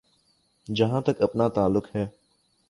جہاں تک اپنا تعلق ہے۔